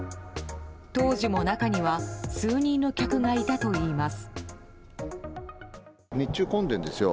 当時も、中には数人の客がいたといいます。